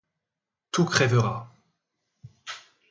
Tout crèvera.